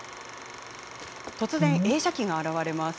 突然、映写機が現れます。